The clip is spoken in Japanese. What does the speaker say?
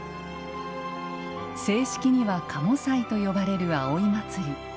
正式には賀茂祭と呼ばれる葵祭。